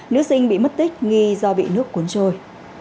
nữ sinh bị mất tích nghi do bị nước cuốn trôi